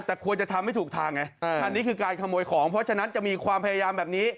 แต่ควรจะทำให้ถูกทางไงอันนี้คือการขโมยของเพราะฉะนั้นจะมีความพยายามแบบนี้